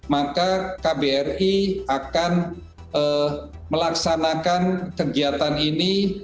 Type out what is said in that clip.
maka kbri akan melaksanakan kegiatan ini